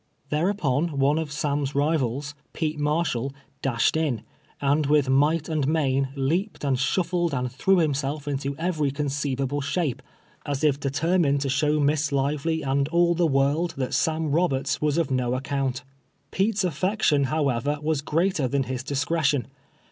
Thereupon one of Sam's rivals, Pete Marshall, dashed in, and, witli might and main, leaped and shuffled and threw him eell' into every conceivable shape, as if determined to SOIJTHEEX LIFE AS IT IS. 219 sliow Miss Lively and all the world that Sam Roberts was of no account. Pete's aftection, however, was greater than his dis cretion.